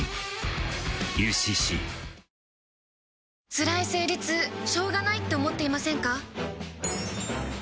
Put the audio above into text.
つらい生理痛しょうがないって思っていませんか？